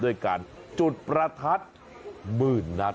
ด้วยการจุดประทัดหมื่นนัด